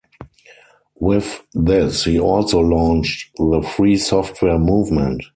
With this, he also launched the free software movement.